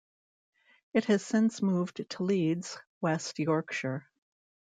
It has since moved to Leeds, West Yorkshire.